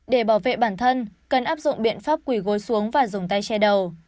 để bảo vệ bản thân cần áp dụng biện pháp quỷ gối xuống và dùng tay che đầu